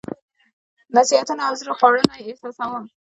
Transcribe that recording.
نصيحتونه او زړه خوړنه یې احساسوم.